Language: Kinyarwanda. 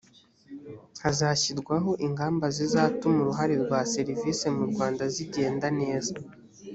hazashyirwaho ingamba zizatuma uruhare rwa serivisi mu rwanda zigenda neza